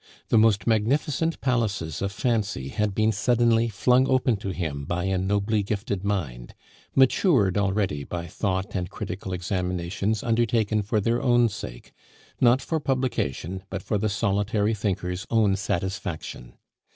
The most magnificent palaces of fancy had been suddenly flung open to him by a nobly gifted mind, matured already by thought and critical examinations undertaken for their own sake, not for publication, but for the solitary thinker's own satisfaction.